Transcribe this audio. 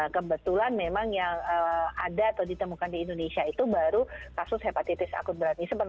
kebetulan memang yang ada atau ditemukan di indonesia itu baru kasus hepatitis akut berat